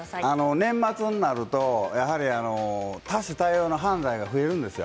年末になると多種多様な犯罪が増えるんですよ。